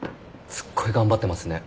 すっごい頑張ってますね。